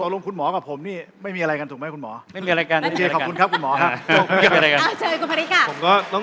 เอาลองคุณหมอกับผมไม่มีอะไรกัน